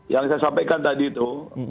yang saya sampaikan tadi itu